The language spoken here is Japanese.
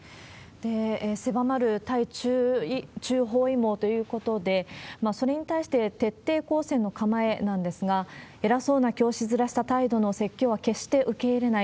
狭まる対中包囲網ということで、それに対して徹底抗戦の構えなんですが、偉そうな教師面した態度の説教は決して受けいれない。